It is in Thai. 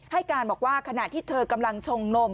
ให้การบอกว่าขณะที่เธอกำลังชงนม